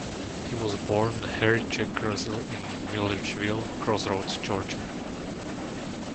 He was born Harry Jack Grusin in Milledgeville Crossroads, Georgia.